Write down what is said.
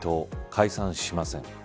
解散しません。